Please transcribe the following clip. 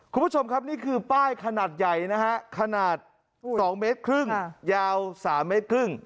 คุณผู้ชมครับนี่คือป้ายขนาดใหญ่นะฮะขนาด๒เมตรครึ่งยาว๓เมตรครึ่ง